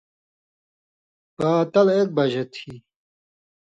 پاتل اک بج تھی۔